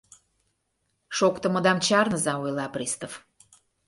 — Шоктымыдам чарныза, — ойла пристав.